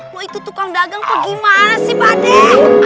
lo itu tukang dagang kok gimana sih pak deh